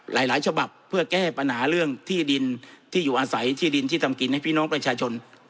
หลายฉบับเพื่อแก้ปัญหาเรื่องที่ดินที่อยู่อาศัยที่ดินที่ทำกินให้พี่น้องประชาชน